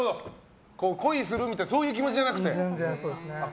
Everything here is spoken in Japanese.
恋するみたいな気持ちじゃなくて。